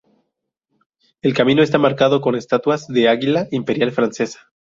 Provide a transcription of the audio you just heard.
El camino está marcado con estatuas del águila Imperial francesa.